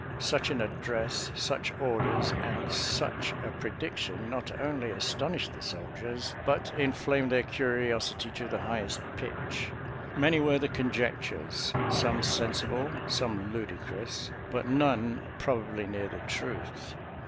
Such an address, such orders, and such a pre diction, not only astonished the soldiers, but in flamed their curiosity to the highest pitch. Many were the conjectures — some sensible, some ludi crous, but none probably near the truth.